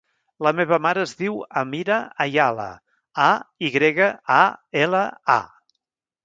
La meva mare es diu Amira Ayala: a, i grega, a, ela, a.